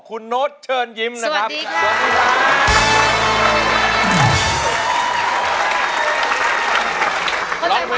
สวัสดีครับ